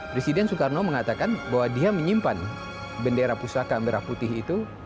presiden soekarno mengatakan bahwa dia menyimpan bendera pusaka merah putih itu